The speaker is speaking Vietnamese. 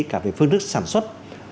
cả về phương thức sản xuất